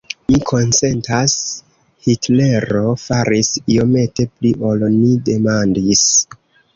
Mi konsentas: Hitlero faris iomete pli, ol ni demandis.